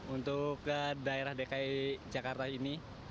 untuk daerah dki jakarta ini